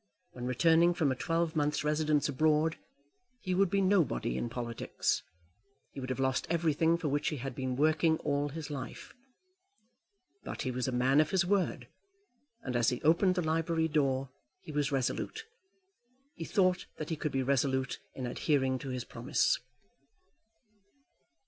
When returning from a twelvemonth's residence abroad he would be nobody in politics. He would have lost everything for which he had been working all his life. But he was a man of his word, and as he opened the library door he was resolute, he thought that he could be resolute in adhering to his promise.